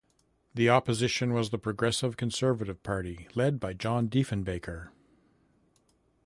The Official Opposition was the Progressive Conservative Party, led by John Diefenbaker.